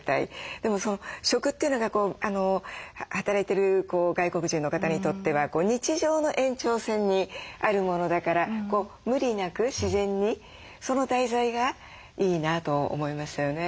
でもその食というのが働いてる外国人の方にとっては日常の延長線にあるものだから無理なく自然にその題材がいいなと思いましたよね。